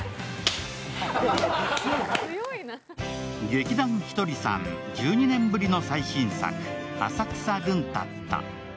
劇団ひとりさん、１２年ぶりの最新作「浅草ルンタッタ」。